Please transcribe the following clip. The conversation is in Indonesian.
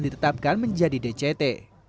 ditetapkan menjadi dct